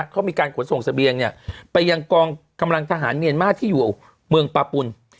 เขามีการขนส่งเสบียงเนี่ยไปยังกองกำลังทหารเมียนมาที่อยู่เมืองปาปุ่น